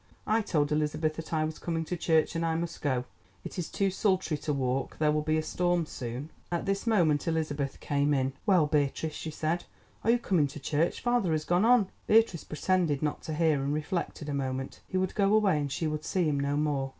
I told Elizabeth that I was coming to church, and I must go; it is too sultry to walk; there will be a storm soon." At this moment Elizabeth came in. "Well, Beatrice," she said, "are you coming to church? Father has gone on." Beatrice pretended not to hear, and reflected a moment. He would go away and she would see him no more.